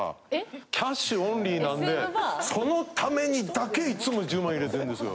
キャッシュオンリーなんでその為にだけいつも１０万入れてるんですよ。